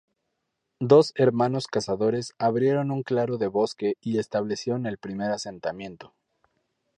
Dos hermanos cazadores abrieron un claro de bosque y establecieron el primer asentamiento.